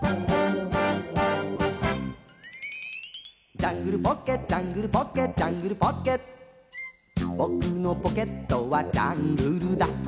「ジャングルポッケジャングルポッケ」「ジャングルポッケ」「ぼくのポケットはジャングルだ」